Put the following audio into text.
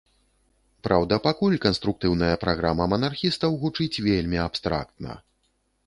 Праўда, пакуль канструктыўная праграма манархістаў гучыць вельмі абстрактна.